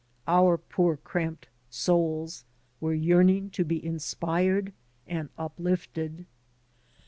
Our poor, cramped souls were yearning to be inspired and uplifted.